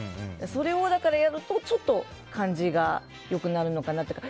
それをやるとちょっと感じが良くなるのかなというか。